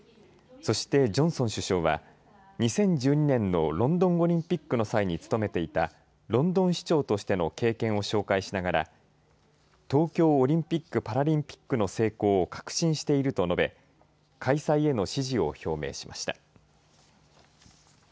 そしてジョンソン首相は２０１２年のロンドンオリンピックの際に務めていたロンドン市長としての経験を紹介しながら東京オリンピック・パラリンピックの成功を確信していると述べ開催への支持を表明しました。